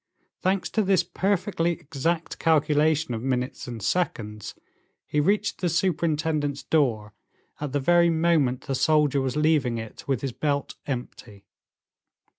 Thanks to this perfectly exact calculation of minutes and seconds, he reached the superintendent's door at the very moment the soldier was leaving it with his belt empty.